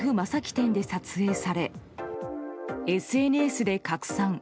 店で撮影されＳＮＳで拡散。